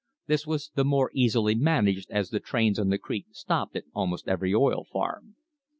This was the more easily managed as the trains on the creek stopped at almost every oil farm.